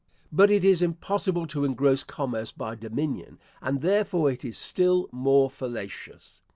But it is impossible to engross commerce by dominion; and therefore it is still more fallacious.